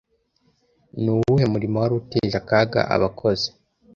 Nuwuhe murimo wari uteje akaga abakozi